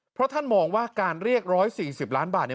เพราะท่านมองว่าการเรียก๑๔๐ล้านบาทเนี่ย